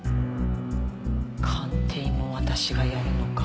鑑定も私がやるのか。